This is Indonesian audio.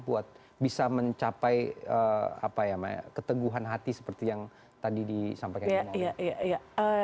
buat bisa mencapai keteguhan hati seperti yang tadi disampaikan oleh